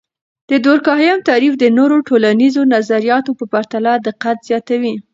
د دورکهايم تعریف د نورو ټولنیزو نظریاتو په پرتله دقت زیاتوي.